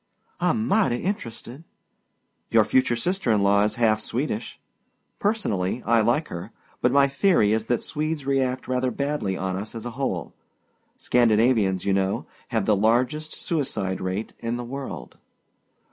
"I'm mighty interested." "Your future sister in law is half Swedish. Personally I like her, but my theory is that Swedes react rather badly on us as a whole. Scandinavians, you know, have the largest suicide rate in the world."